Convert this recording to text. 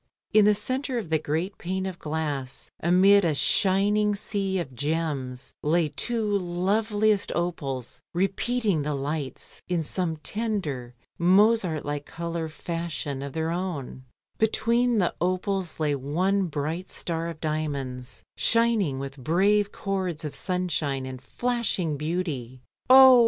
In the centre of the great pane of glass, amid a shining sea of gems, lay two loveliest opals repeating the lights, in some tender Mozart like colour fashion of their own; between the opals lay one bright star of diamonds shining with brave chords of sunshine and flashing beauty. "Oh!